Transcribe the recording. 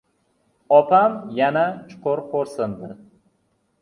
— Opam yana chuqur xo‘rsindi.